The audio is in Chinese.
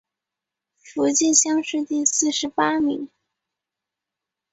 福建乡试第四十八名。